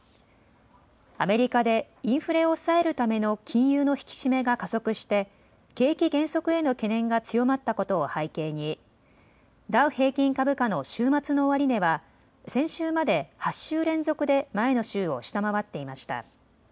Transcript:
アメリカでインフレを抑えるための金融の引き締めが加速して景気減速への懸念が強まったことを背景にダウ平均株価の週末の終値は先週まで８週連続で前の週を下回っていました。